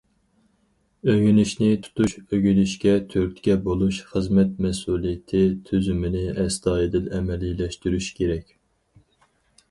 ئۆگىنىشنى تۇتۇش، ئۆگىنىشكە تۈرتكە بولۇش خىزمەت مەسئۇلىيىتى تۈزۈمىنى ئەستايىدىل ئەمەلىيلەشتۈرۈش كېرەك.